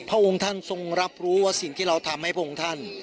พระองค์ท่านทรงรับรู้ว่าสิ่งที่เราทำให้พระองค์ท่าน